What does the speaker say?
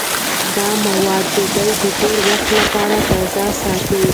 دا مواد ډوډۍ د ډېر وخت لپاره تازه ساتي.